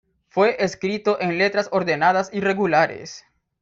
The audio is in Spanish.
Fue escrito en letras ordenadas y regulares.